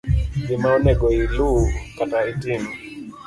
Gima onego ilu kata itim;